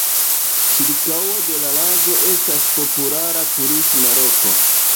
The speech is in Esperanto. Ĉirkaŭo de la lago estas populara turisma loko.